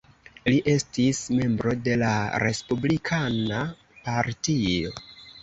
Li estis membro de la Respublikana Partio.